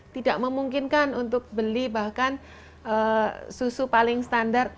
tidak memungkinkan untuk beli bahkan susu paling standar